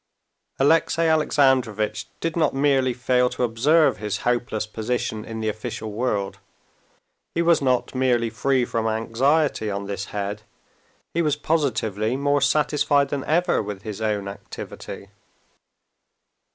Alexey Alexandrovitch did not merely fail to observe his hopeless position in the official world, he was not merely free from anxiety on this head, he was positively more satisfied than ever with his own activity.